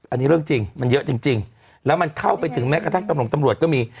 อันนี้เรื่องจริงมันเยอะจริงแล้วมันเข้าไปถึงแม้กระทั่งตำรวจก็มี